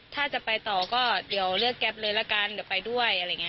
ถ้าจะไปต่อก็เดี๋ยวเลือกแกรปเลยละกันเดี๋ยวไปด้วย